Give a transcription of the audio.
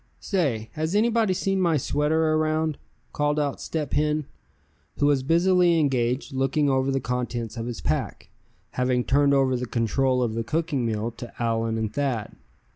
"Say, has anybody seen my sweater around?" called out Step Hen, who was busily engaged looking over the contents of his pack, having turned over the control of the cooking meal to Allan and Thad.